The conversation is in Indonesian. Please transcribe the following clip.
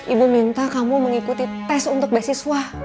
ibu minta kamu mengikuti tes untuk beasiswa